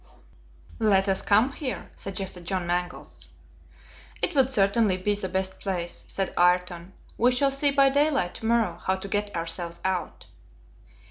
"Let us camp here," suggested John Mangles. "It would certainly be the best place," said Ayrton. "We shall see by daylight to morrow how to get ourselves out."